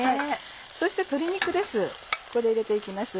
そして鶏肉です